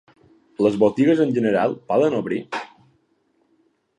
Les botigues en general poden obrir?